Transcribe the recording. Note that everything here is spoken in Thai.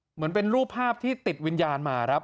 เหมือนเป็นรูปภาพที่ติดวิญญาณมาครับ